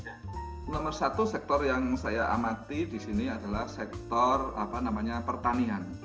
nomor satu sektor yang saya amati di sini adalah sektor pertanian